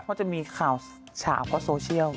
เพราะจะมีข่าวฉาเพราะโซเชียล